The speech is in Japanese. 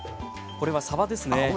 これはサバですね。